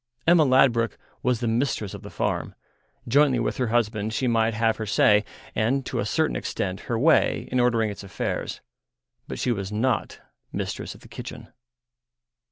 Emma Ladbruk was the mistress of the farm; jointly with her husband she might have her say, and to a certain extent her way, in ordering its affairs. But she was not mistress of the kitchen.